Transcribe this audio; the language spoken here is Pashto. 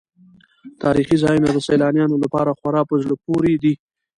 تاریخي ځایونه د سیلانیانو لپاره خورا په زړه پورې وي.